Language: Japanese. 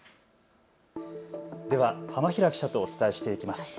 では浜平記者とお伝えしていきます。